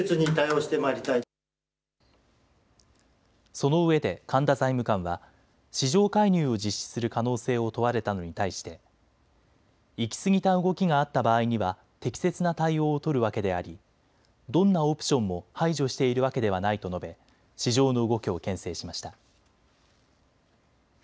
そのうえで神田財務官は市場介入を実施する可能性を問われたのに対して行き過ぎた動きがあった場合には適切な対応を取るわけでありどんなオプションも排除しているわけではないと述べ市場の動きをけん制しました。